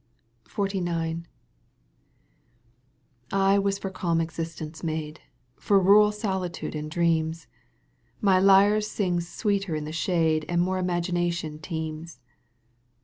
XLIX. I was for cahn existence made. For rural solitude and dreams, My lyre sings sweeter in the shade And more imagination teems.